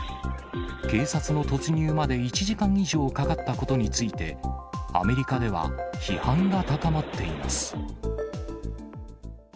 警察の突入まで１時間以上かかったことについて、アメリカでは、批判が高まっています。